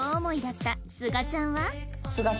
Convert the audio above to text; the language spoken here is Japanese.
すがちゃん。